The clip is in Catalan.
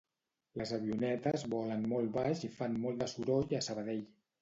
Les avionetes volen molt baix i fan molt de soroll a Sabadell